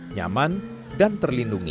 nyaman dan terlindungi